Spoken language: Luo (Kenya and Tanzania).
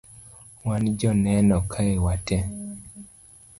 wan joneno kae wate